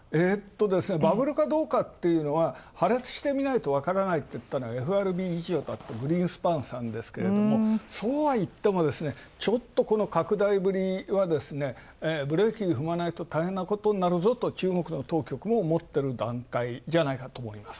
バブルかどうかっていうのは、破裂してみないとわからないってＦＲＢのグリーンスパーンさんですがそうはいってもちょっと拡大ぶりは、ブレーキ踏まないと大変なことになるぞと、中国も思ってる段階じゃないかと思います。